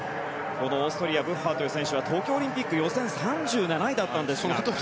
オーストリアブッハーという選手は東京オリンピック予選３７位だったんですが。